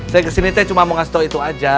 saya kesini teh cuma mau ngasih tau itu aja